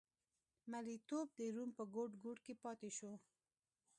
مریتوب د روم په ګوټ ګوټ کې پاتې شو.